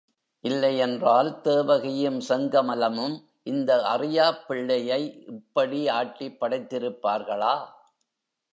இல்லையென்றால், தேவகியும் செங்கமலமும் இந்த அறியாப் பிள்ளை யை இப்படி ஆட்டிப் படைத்திருப்பார்களா?